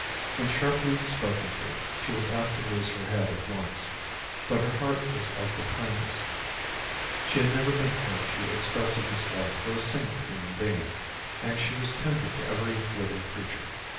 When sharply spoken to, she was apt to lose her head at once; but her heart was of the kindest. She had never been heard to express a dislike for a single human being, and she was tender to every living creature.